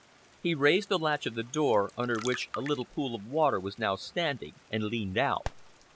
He raised the latch of the door, under which a little pool of water was now standing, and leaned out.